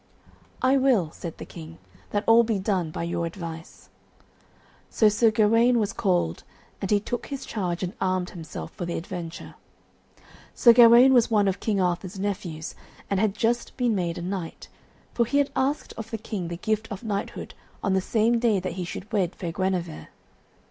"I will," said the King, "that all be done by your advice." So Sir Gawaine was called, and he took his charge and armed himself for the adventure. Sir Gawaine was one of King Arthur's nephews, and had just been made a knight, for he had asked of the King the gift of knighthood on the same day that he should wed fair Guenever.